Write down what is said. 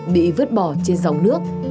bị vứt bỏ trên dòng nước